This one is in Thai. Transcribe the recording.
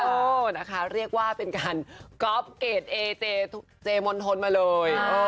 โอ้นะคะเรียกว่าเป็นการก๊อฟเกรดเอเจเจมณฑลมาเลย